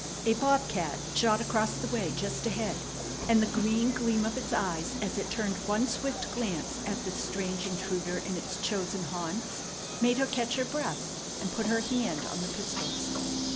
A bob cat shot across the way just ahead, and the green gleam of its eyes as it turned one swift glance at this strange intruder in its chosen haunts made her catch her breath and put her hand on the pistols.